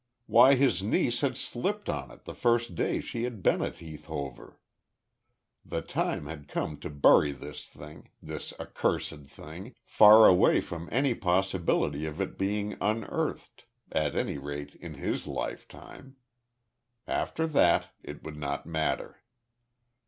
Why, his niece had slipped on it, the first day she had been at Heath Hover! The time had come to bury this thing this accursed thing far away from any possibility of it being unearthed at any rate in his lifetime. After that it would not matter.